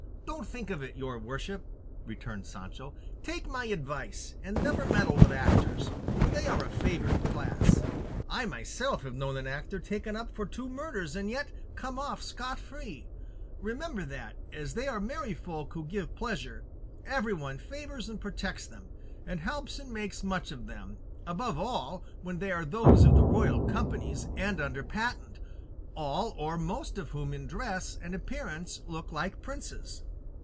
"Don't think of it, your worship," returned Sancho; "take my advice and never meddle with actors, for they are a favoured class; I myself have known an actor taken up for two murders, and yet come off scot free; remember that, as they are merry folk who give pleasure, everyone favours and protects them, and helps and makes much of them, above all when they are those of the royal companies and under patent, all or most of whom in dress and appearance look like princes."